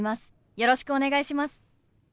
よろしくお願いします。